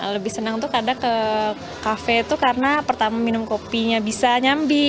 lebih senang tuh kadang ke kafe itu karena pertama minum kopinya bisa nyambi